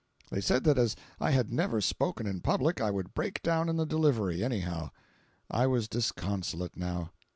They said that as I had never spoken in public, I would break down in the delivery, anyhow. I was disconsolate now.